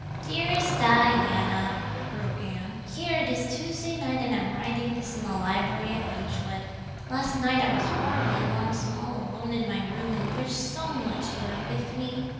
"Dearest Diana" [wrote Anne], "Here it is Tuesday night and I'm writing this in the library at Beechwood. Last night I was horribly lonesome all alone in my room and wished so much you were with me.